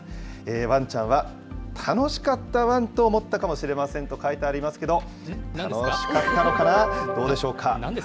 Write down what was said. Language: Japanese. わんちゃんは楽しかったわんと思ったかもしれませんと書いてありますけど、楽しかったのかな、どうでしょうか。